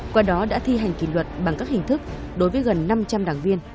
qua đó đã thi hành kỷ luật bằng các hình thức đối với gần năm trăm linh đảng viên